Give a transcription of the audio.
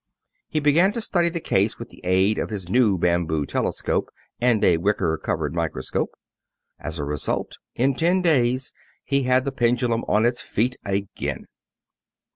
He began to study the case with the aid of his new bamboo telescope and a wicker covered microscope. As a result, in ten days he had the pendulum on its feet again.